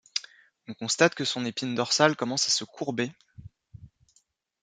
On constate que son épine dorsale commence à se courber.